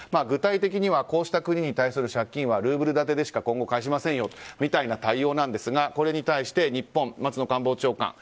具体的にはこうした国に対する借金は、ルーブル建てでしか今後、返しませんよみたいな対応なんですがこれに対し、日本松野官房長官。